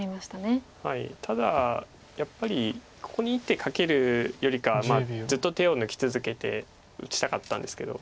ただやっぱりここに１手かけるよりかはずっと手を抜き続けて打ちたかったんですけど。